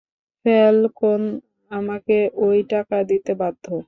Falcone আমাকে ঐ টাকা দিতে বাধ্য।